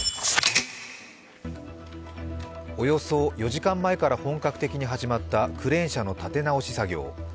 およそ４時間前から本格的に始まったクレーン車の立て直し作業。